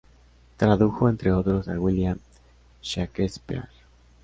Tradujo entre otros a William Shakespeare